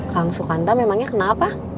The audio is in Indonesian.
kang sukanta memangnya kenapa